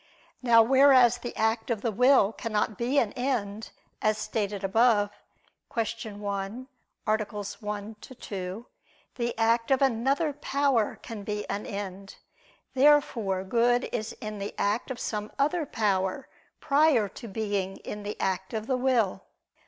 Now whereas the act of the will cannot be an end, as stated above (Q. 1, A. 1, ad 2), the act of another power can be an end. Therefore good is in the act of some other power prior to being in the act of the will.